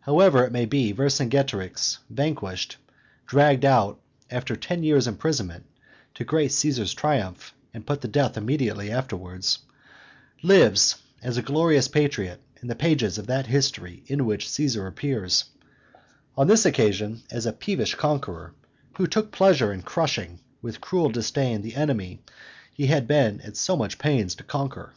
However it be, Vercingetorix vanquished, dragged out, after ten years' imprisonment, to grace Caesar's triumph, and put to death immediately afterwards, lives as a glorious patriot in the pages of that history in which Caesar appears, on this occasion, as a peevish conqueror who took pleasure in crushing, with cruel disdain, the enemy he had been at so much pains to conquer.